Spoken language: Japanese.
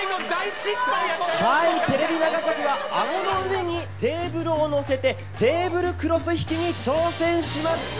テレビ長崎はあごの上にケーブルを乗せてテーブルクロス引きに挑戦します。